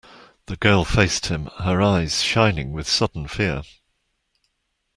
The girl faced him, her eyes shining with sudden fear.